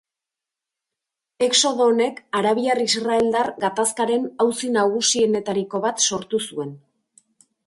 Exodo honek arabiar–israeldar gatazkaren auzi nagusienetariko bat sortu zuen.